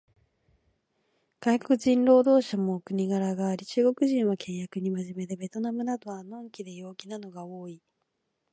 外国人労働者もお国柄があり、中国人は契約に真面目で、ベトナムなどは呑気で陽気なのが多い